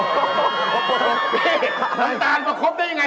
น้องตาลมาครบได้ยังไงฟะ